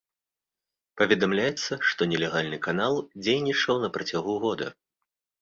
Паведамляецца, што нелегальны канал дзейнічаў на працягу года.